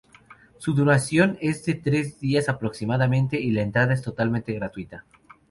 Su duración es de tres días aproximadamente y la entrada totalmente gratuita.